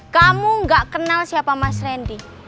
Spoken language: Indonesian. kamu gak kenal siapa mas randy